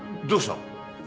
どうした？